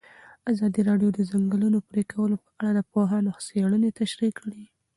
ازادي راډیو د د ځنګلونو پرېکول په اړه د پوهانو څېړنې تشریح کړې.